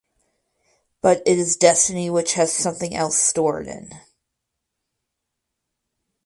But it is destiny which has something else stored in.